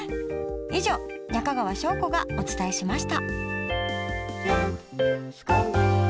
以上中川翔子がお伝えしました。